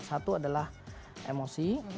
satu adalah emosi